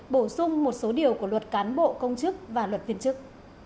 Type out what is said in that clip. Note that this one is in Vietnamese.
bổ sung một số điều của luật cán bộ công chức và luật viên chức